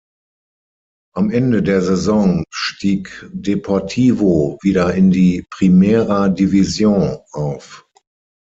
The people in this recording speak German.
Am Ende der Saison stieg Deportivo wieder in die Primera División auf.